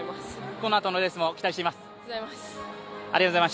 このあとのレースも期待しています。